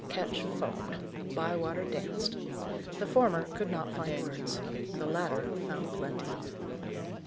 Ketch foamed. Bywater danced. The former could not find words. The latter found plenty.